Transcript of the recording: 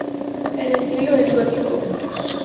El estilo es gótico.